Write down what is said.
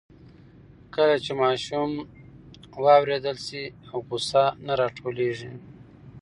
کله چې ماشوم واورېدل شي, غوسه نه راټولېږي.